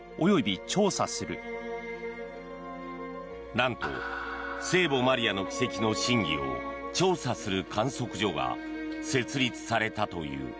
なんと聖母マリアの奇跡の真偽を調査する観測所が設立されたという。